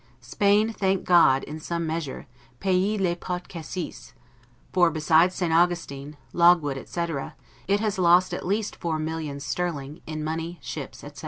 Spain, thank God, in some measure, 'paye les pots cassis'; for, besides St. Augustin, logwood, etc., it has lost at least four millions sterling, in money, ships, etc.